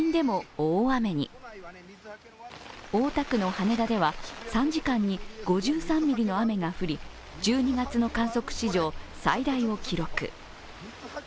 大田区の羽田では３時間に５３ミリの雨が降り１２月の観測史上最大を記録。